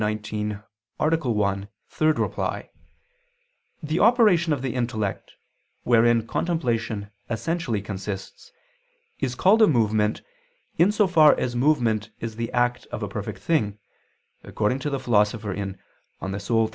1, ad 3), the operation of the intellect, wherein contemplation essentially consists, is called a movement, in so far as movement is the act of a perfect thing, according to the Philosopher (De Anima iii, 1).